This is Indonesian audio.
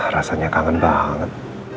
rasanya kangen banget